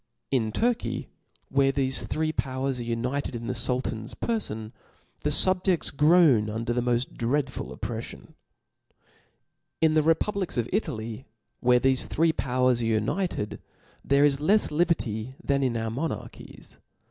In Turkey, where thefe three powers tfe united in the Sultan's perfon, the fiibjeds groan ufvder the moft dreadful opprefflon. In the republics ci Italy, where thefe three pow» ers are united, there is left liberty than in our monarchies.